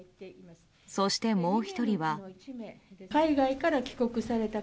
そして、もう１人は。